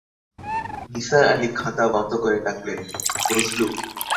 নিসার আলি খাতা বন্ধ করে ডাকলেন, বজলু!